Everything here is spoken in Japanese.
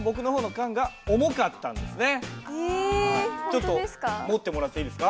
ちょっと持ってもらっていいですか？